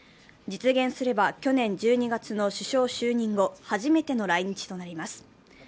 実現すれば、去年１２月の首相就任後初めての来日となります。